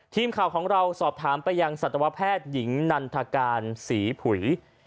ทีมข่าวของเราสอบถามไปยังสัตวแพทย์หญิงนันทการศรีผุย